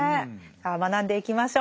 さあ学んでいきましょう。